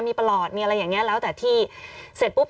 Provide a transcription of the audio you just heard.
มีประหลอดมีอะไรอย่างนี้แล้วแต่ที่เสร็จปุ๊บ